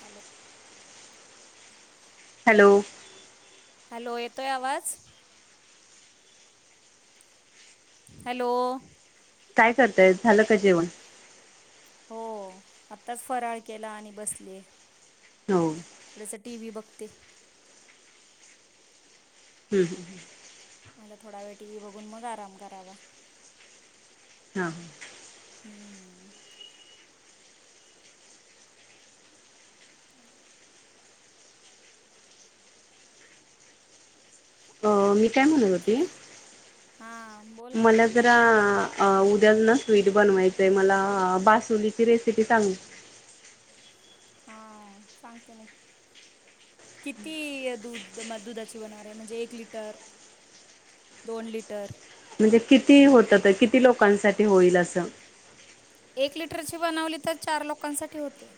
Hello. Hello. Hello येतोय आवाज hello. काय करतायत, झालं का जेवण? हो आत्ताच फराळ केला आणि बसलीये. हो. थोडंसं टी व्ही बघते ह्म मला थोडा वेळ टी व्ही बघून मग आराम करावा. हां. हम्म. [inaudible] अ मी काय म्हणत होती, ठीक आहे हां बोल ना मला जरा उद्या ना स्वीट बनवायचंय मला, बासुंदीची रेसिपी सांग हा सांगते न किती दूध म दुधाची बनवणार हाय, म्हणजे एक लिटर दोन लिटर म्हणजे किती होतं, तर किती लोकांसाठी होईल असं? एक लिटरची बनवली तर चार लोकांसाठी होते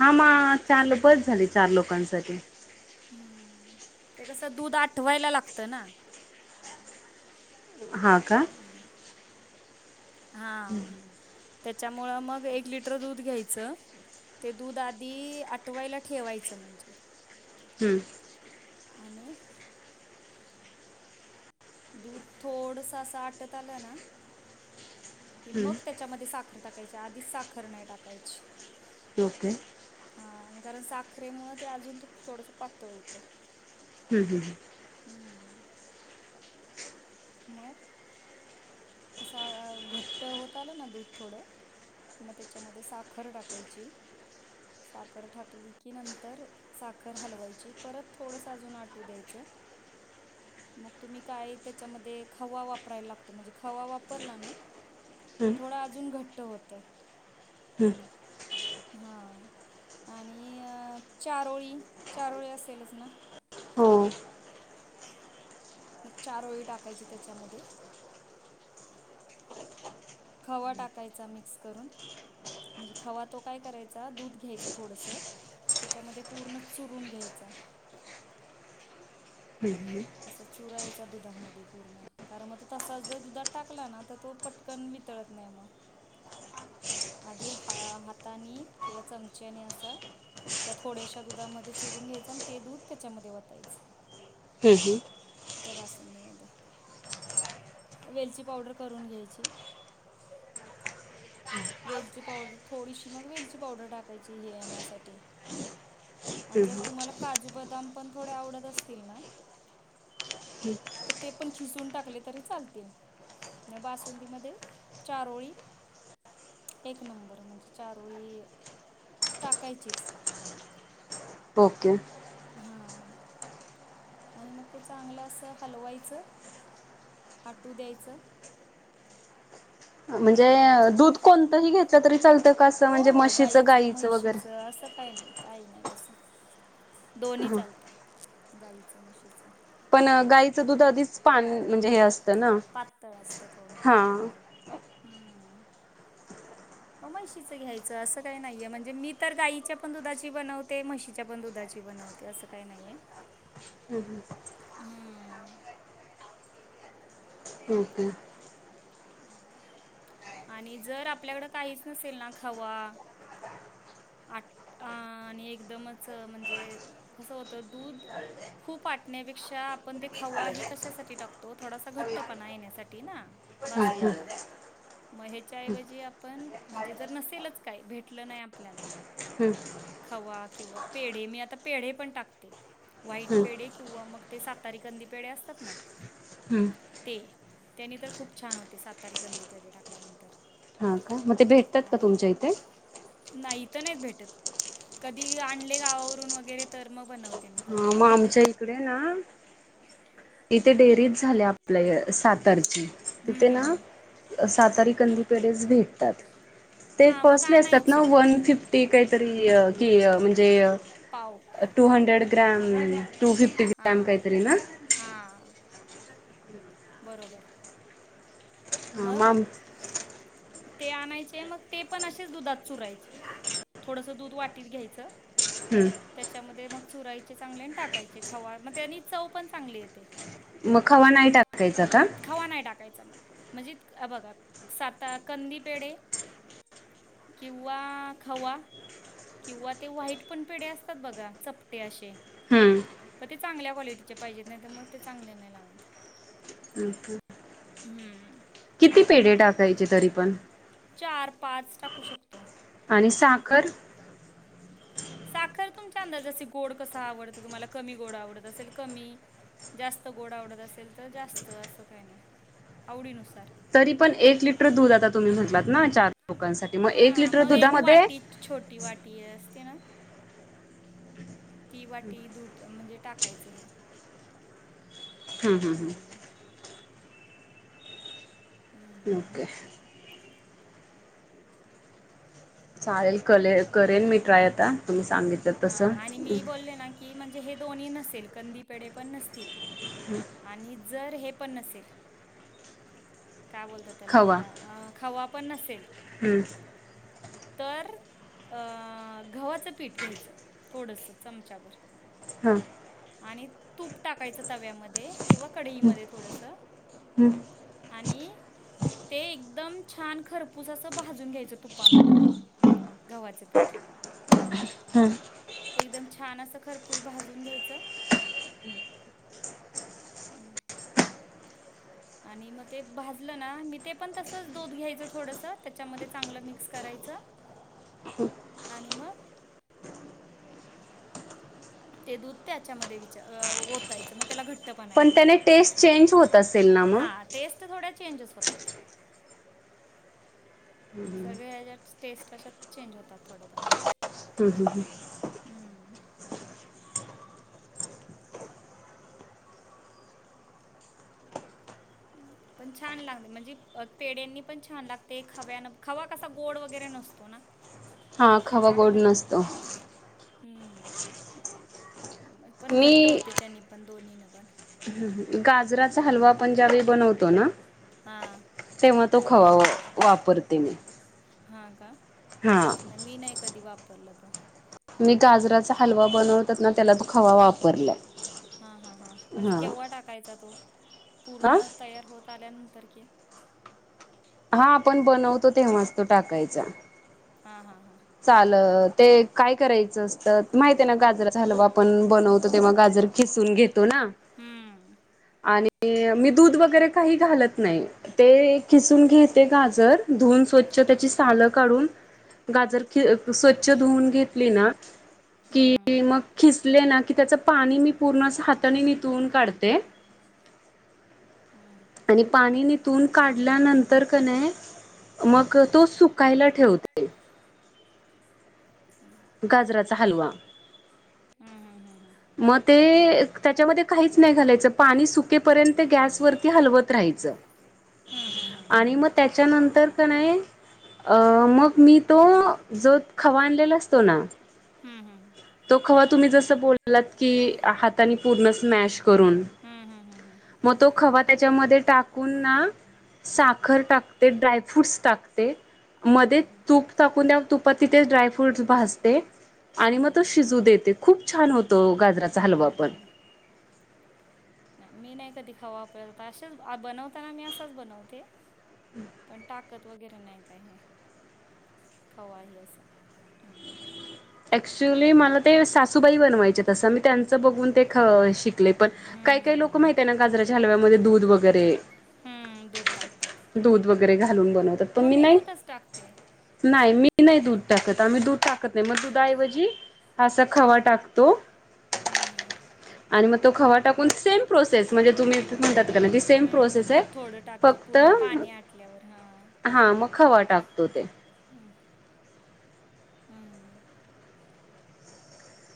हा मग चारला बस झाली चार लोकांसाठी. हं ते कसं दूध आठवायला लागतं ना. हा का हां त्याच्यामुळं मग एक लिटर दूध घ्यायचं. ते दूध आधी आठवायला ठेवायचं म्हणजे. हम्म आणि दूध थोडसं असं आटत आलं ना, की हं. मग त्या त्याच्यामध्ये साखर टाकायची आधीच साखर नाही टाकायची डोके हा कारण साखरेमुळं ते अजून थोडंसं पातळ होतं. हम्म हम्म. हम्म मग असा घट्ट होत आलं ना दूध थोडं मग त्याच्यामध्ये साखर टाकायची, साखर टाकली की नंतर साखर हलवायची, परत थोडंस अजून आटू द्यायचं. मग तुम्ही काय त्याच्यामध्ये खवा वापरायला लागतो, म्हणजे खवा वापरला ना, हं. की थोडा घट्ट होतं. हम् हा आणि चारोळी चारोळी असेलच ना? हो मग चारोळी टाकायची त्याच्यामध्ये. [inaudible] खवा टाकायचा मिक्स करून. म्हणजे खवा तो काय करायचा, दूध घ्यायचं थोडसं. त्याच्यामध्ये पूर्ण चुरून घ्यायच हं ह. अस चुरायचा दुधामध्ये पूर्ण कारण मग तो तसाच जर दुधात टाकला ना तर तो पट कन वितळत नाही मग. आधी ह हातानी किंवा चमच्यानी अस त्या थोड्याशा दुधामध्ये चुरून घ्यायचं आणि ते दूध त्याच्यामध्ये वतायचं. हम [unintelligible] त्या वेलची पावडर करून घ्यायचे. वेलची पावडर थोडीशी मग वेलची पावडर टाकायची हे येण्यासाठी. आणि जर तुम्हाला काजू बदाम पण थोडे आवडत असतील ना. ते पणखिसून टाकले तरी चालतील. बासुंदीमध्ये चारोळी. एक नंबर म्हणजे चारोळी टाकायचीच. ओके. हां आणि मग ते चांगलं असं हलवायचं.. आटू द्यायचं. म्हणजे ज दूध कोणतंही घेतलं तरी चालतं कासं हो म्हणजे हो मशीचं गाईचं गाईीचं वगैरे. म्हैशीचं असं काही नाही. काही नाही तसं दोन्ही हं. चालत गाईचं म्हशीचं. पण गाईचं दूध आधीच पान म्हणजे हे असताना पातळ असतं थोडं हा म म्हशीचं दुधाच्या घ्यायचं असं काही नाहीये म्हणजे मी तर गाईच्या पण दुधाची बनवते म्हशीच्या पण दुधाची. बनवते ते असं काही नाहीये. हम्म हम्म [unintelligible] हम्म ओके. आणि जर आपल्याकडं काहीच नसेल ना खावा. आट आ आणि एकदमच म्हणजे कसं होतं दूध. खूप आटण्यापेक्षा आपण ते खवाही थोडासा घट्टपणा येण्यासाठी ना. हम्म बासुंदीला. मग ह्याच्याऐवजी आपण म्हणजे जर नसेलच काही भेटलं नाही आपल्याला. हंम. खवा पेढे मी आता पेढे पण टाकते. वाईट हम्म पेढ किंवा मग ते सातारी कंदी पेढ असतात ना हम्म ते त्यांनी तर खूप छान होते सातारी गंदी पेढे टाकल्यानंतर हा मग ते भेटतात का आणि तुमच्या इथे. नाही इथं नाहीत भेटत. कधी आणले गावावरून वगैरे तर म बनवते मी. हा तेव्हा. मग आमचे. ईकडे ना इथे डेअरीच झाले आपल्या सातारची. हम्म तिथे ना हम्म हम्म. सातारी कंदी पेढेच भेटतात. ते हां मग कॉस्टली असतात ना आणायचे वन फिफ्टी काहीतरी कि म्हणजे पाव टू हां हंड्रेड ग्रॅम टू फिफ्ट. हां हा. बरोबर. मग? ते आणायचे मग ते पण असेच दुधात चुरायचे थोडसं दूध वाटीत घ्यायचं. हम. त्याच्यामध्ये मग चुरायचे चांगले आणि टाकायचे खवा मग त्यानी चव पण चांगली येते. मग खवा नाही टाकायचा आ. हवा नाही टाकायचा मग. म्हणजे हे बघा साता कंदी पेडे. किंवा खावा. किंवा ते वा्हाईट पण पेढ असतात बघा चपटे असे. हम्म त्यामुळे. ते चांगल्या क्वालिटीचे पाहिजेत नाही तर मग ते चांगले नाही लागणार. हम्म. किती पेढे टाकायचे तरी पण. चार पाच टाकू शकतो. आणि साखर. साखर तुमच्या अंदाज जस गोड कसा आवडते तुम्हाला कमी गोड आवडत असेल कमी जास्त गोड आवडत असेल तर जास्त असं काही नाही आवडीनुसार. तरी पण एक लिटर दूध आता तुम्ही म्हटलात ना चार लोकांसाठी मग एक हा लिटर मग एक दुधामध्ये वाटी छोटी वाटी असते ना. ती वाटी दूट म्हणजे टाकायचं हे. हम् हम् हम्. हम्म, हम्म. ओके. चालेल कले करेन मी ट्राय आता तुम्ही सा हा आणि मी बोलले ना की म्हणजे हे दोन्ही नसेल कंदी पेढ पण नसतील. आणि जर हे पण नसेल काय बोलत त्याला खवा आपल्या अ खावा पण नसेल. हम्म. तर. अ गव्हाचं पीठ घ्यायचं थोडस चमचाभर. हा. आणि तूप टाकायचं तव्यामध्ये किंवा कढईमध्ये थोडस. हम्म आणि ते एकदम छान खरपूस असं भाजून घ्यायचं तुपामध्ये. गव्हाचं पीठ. हम्म एकदम छान असं खरपूस भाजून घ्यायचं. [inaudible] आणि मग ते भाजलं ना मी ते पण तसंच दूध घ्यायचं थोडसं त्याच्यामध्ये चांगलं मिक्स करायचं. [inaudible] आणि मग ते दूध त्याच्यामध्ये विच उठायचं मग त्याला घट्टपणा पण येतो त्याने टेस्ट चेंज होत असेल ना मग. हां टेस्ट थोड्या ंजस होतात. सगळे्या ह्याच्यात टेस्ट अशात चेंज होतात थोड्या थोडे्या हम हम ह. हम्म. [inaudible] पण छान लागते म्हणजे पेड्यांनी पण छान लागते. खव्यान खवा कसा गोड वगैरे नसतो ना हा तो खावा गोड टाकला नसतो. हम्म म त्याने पण घट्ट मी होते त्यांनी पण दोन्ही न पण. गाजराचा हलवा आपण ज्यावेळी बनवतो ना. हा. तेव्हा तो खवा वापरते मी. हा का. हा. मी नाही कधी वापरला तो. मी गाजराचा हलवा बनवतात ना त्याला खवा वापरलाय. हा हा हां म्हणजे हा केव्हा टाकायचा तो हा पूर्ण तयार होत आल्यानंतर की हा आपण बनवतो तेव्हाच तो टाकायचा. हा हा हा. चाल ते काय करायचं असतं माहित आहे ना गजराचा हलवा आपण बनवतो तेव्हा गाजर. खिसून घेतो ना. हम्म. आणि मी दूध वगैरे काही घालत नाही. ते खिसून घेते गाजर धुून स्वच्छ त्याची सालं काढून. गाजर स्वच्छ धुवून घेतली ना की मध्ये मग. किसले ना की त्याचं पाणी मी पूर्ण असं हाताने निथळून काढते. हम. आणि पाणी निथून काढल्यानंतर कने. मग तो सुकायला ठेवते. हम्. गाजराचा हलवा. हम हम हम हम. मग ते त्याच्यामध्ये. काहीच नाही घालायचं पाणी सुकेपर्यंत गॅसवररती हलवत राहायचं. हा हा हा. आणि मग त्याच्यानंतर का मी तो. जो खवा आणलेला असतो ना तो खवा तुम्ही जस बोल. लात की हातानी पूर्ण स्मॅश करून. मग तो खवा त्याच्यामध्ये टाक. टाक साखर टाकते ड्रायफ्रूटस टाकते मध्ये तूप. ाकून द्या तुपात तिथे ड्राय फ्रूटस भासते आणि मग तो शिजू देते खूप छान होत. तो गाजराचा हलवा आपण. होतो नाही मी नाही कधी खावा वापरला असेच बनवताना मी. असाच बनवते पण टाक ताकद वगैरे नाही काय हे खवा अस. ऍक्च्युली मला ते सासूबाई बनवायचे तसं मी त्यांचं बघून ते ख शिक. पण हम्म काही काही लोक हम्म माहितय ना गजराच्या हलव्यामध्ये दूध वगैरे. [unintelligible] दूध वगैरे घालून बनवतात पण मग मी नाही दूधच टाकते नाही मी. ी नाही दूध टाकत आम्ही दूध टाकत नाही मग दुधाऐवजी असा खवा टाकतो. हम्म हम्. आणि मग तो खवा टाकून सेम प्रोसेस म्हणजे तुम्ही म्हण त सेम हम्म प्रोसेस आहे दूध थोडं टाकते फक्त. पूर्ण पाणी आटल्यावर हा हा मग खवा टाकतो ते. हम् हम्म.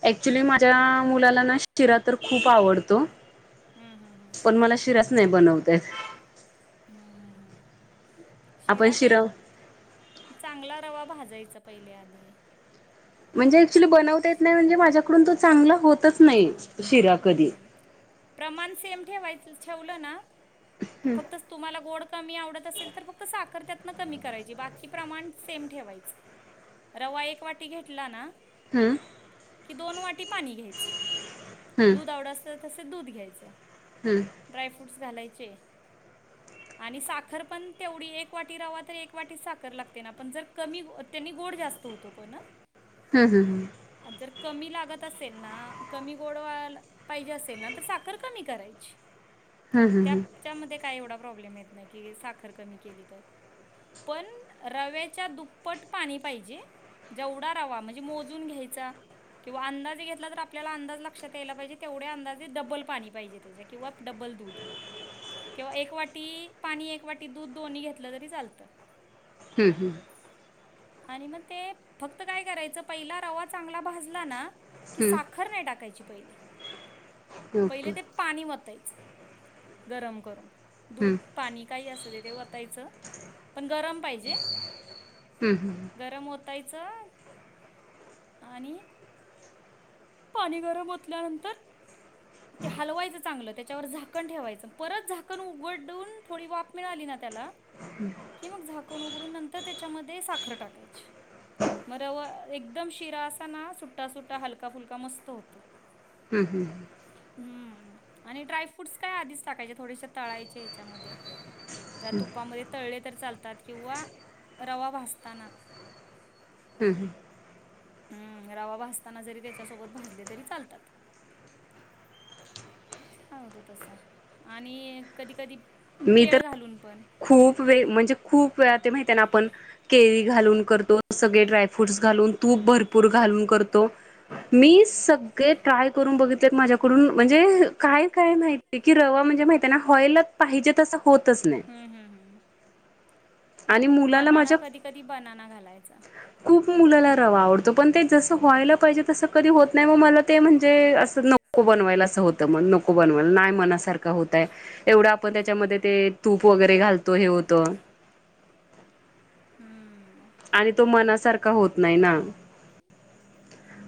ऍक्च्युली माझ्या मुलाला ना शिरा तर खूप आवडतो. हम्म हम्म हम्म पण मला शिरास नाही बनवतेत. हम्म हम्म हम्म शिरा काय चांगला रवा भाजायचा पहिले आधी. म्हणजे ऍक्च्युली बनवता येत नाही शिरा म्हणजे माझ्याकडून तो चांगला होतच नाही चांगला शिरा हम्म कधी. हम्म प्रमाण सेम ठेवायच ठेवलं ना फक्त. तुम्हाला गोड कमी आवडत असेल तर फक्त साखर त्यातन कमी करायची बाकी प्रमाण सेम ठेवायच. रवा एक वाटी घेतला ना हम्म की दोन वाटी पाणी घ्यायचं. हम्म दूध आवडत असत तसेच दूध घ्यायचं. हम्म. ड्रायफ्रूट्स घालायचे. [inaudible] आणि साखर पण तेवढी एक वाटी रवा तर एक वाटी साखर लागते ना पण जर कमी- त्यांनी गोड जास्त होतो पण ना, हम्म हम्म जर कमी लागत असेल ना. कमी गोड व्हायला पाहिजे असेल ना तर साखर कमी करायची हम्म हम्म त्या त्यांच्यामध्ये काही एवढा प्रॉब्लेम येत ना की साखर कमी केली तर. पण रव्याच्या दुप्पट पाणी पाहिजे. जेवढा रवा म्हणजे मोजून घ्यायचा किंवा अंदाजे घेतला तर, आपल्याला अंदाज लक्षात यायला पाहिजे तेवढ्या अंदाजे डबल पाणी पाहिजे किंवा डबल दुध. किंवा एक वाटी पाणी एक वाटी दूध दोन्ही घेतलं तरी चालतं. हम्म हम्म आणि मग ते फक्त काय करायचं पहिला रवा चांगला भाजला ना- की हम्म साखर नाही टाकायची पहिले पहिले ओके ते. पाणी ओतायच गरम करून. दूध हम्म पाणी काही अस ते ते वतायचं पण गरम पाहिजे. हम्म हम्. गरम ओतायचं आणि पाणी गरम आओतल्यानंतर. ते हलवायचं चांगलं त्यांच्यावर झाक, झाकण ठेवायचं. परत झाकण उघडडुन थोडी वाफ मिळाली ना त्याला [unintelligible] कि मग झाकण उघडून नंतर त्याच्यामध्ये साखर टाकायची. मर रवा एकदम शिरा असा ना सुट्टा सुट्टा हलका फुलका मस्त होतो. हम्म हम्म हम्म आणि ड्रायफ्रूटस काय आधीच टाकायचे थोडेश तळायचे ह्याच्यामध्ये. त्या तुपामध्ये तळले तर चालतात किंवा रवा भासताना. हम् हं हम्म रवा भाजताना जरी त्याच्यासोबत भाजले तरी चालतातं. छान होतो तसा आणि कधी कधी मी तर केळ घालून पण खूप वेळ म्हणजे खूप ते माहिती आहे ना आपण केळी घालून करतो. सगळे ड्रायफ्रूट्स घालून तूप भरपूर घालून करतो. मी सगळे ट्राय करून बघितले माझ्याकडून म्हणजे काय काय माहिती की रवा म्हणजे माहित आहे ना हो्हालच पाहिजे तसं. होतच नाही. हम्म हम्म हम्म आणि नाही मुलाला बनाना माझ्या कधी कधी बनाना घालायचा. खूप मुलाला रवा आवडतो पण ते जसं व्हायला पाहिजे तसं कधी होत नाही मग मला ते म्हणजे असं नको बनवायला असं होतं, मग नको बनवायला नाही मनासारखं होतय एवढा, मग त्याच्यामध्ये ते तूप वगैरे घालतो हे होतं. हम्म आणि तो मनासारखा होत नाही ना,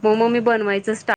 मग मग मी बनवायचं टा-